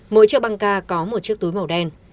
mỗi chiếc băng ca có một chiếc túi màu đen